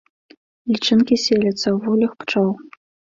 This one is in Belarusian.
Лічынкі селяцца ў вуллях пчол.